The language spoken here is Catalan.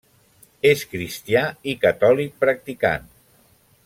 És cristià i catòlic practicant.